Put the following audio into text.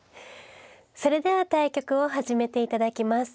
それでは対局を始めて頂きます。